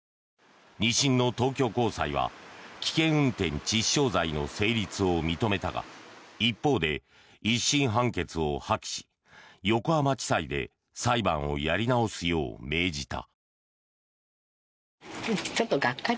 ２審の東京高裁は危険運転致死傷罪の成立を認めたが一方で１審判決を破棄し横浜地裁で裁判をやり直すよう命じた。